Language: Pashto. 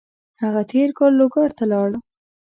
هغه تېر کال لوګر ته لاړ.